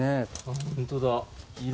本当だ。